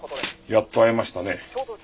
やっと会えましたね。